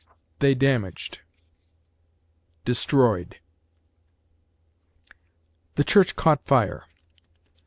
THEY damaged. DESTROYED THE church caught fire.